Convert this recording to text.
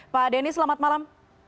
pak denny selamat malam